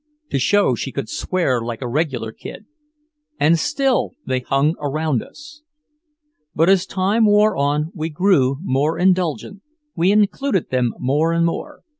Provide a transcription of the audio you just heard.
to show she could swear like a regular kid. And still they hung around us. But as time wore on we grew more indulgent, we included them more and more.